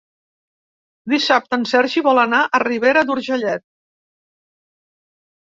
Dissabte en Sergi vol anar a Ribera d'Urgellet.